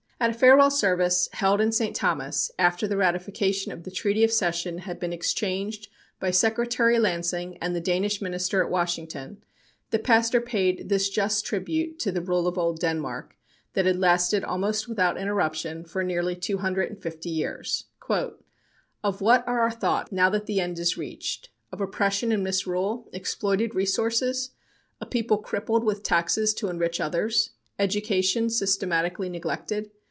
At a farewell service held in St. Thomas after the ratification of the treaty of cession had been exchanged by Secretary Lansing and the Danish Minister at Washington, the pastor paid this just tribute to the rule of Old Denmark, that had lasted, almost without interruption, for nearly two hundred and fifty years: "Of what are our thoughts, now that the end is reached? Of oppression and misrule? Exploited resources? A people crippled with taxes to enrich others? Education systematically neglected?